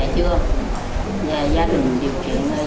chỉ là vua không phép buộc